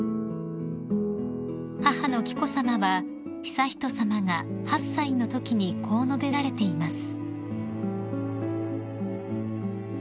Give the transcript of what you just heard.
［母の紀子さまは悠仁さまが８歳のときにこう述べられています］